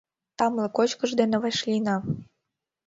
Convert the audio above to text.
Тамле кочкыш дене вашлийына!